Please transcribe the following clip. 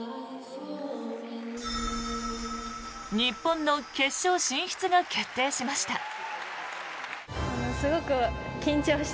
日本の決勝進出が決定しました。